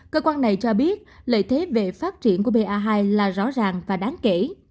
cơ quan này cho biết lợi thế về phát triển của ba hai là rõ ràng và đáng kể